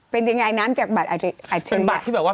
เป็นอย่างไรน้ำจากบัตรอัจเจีย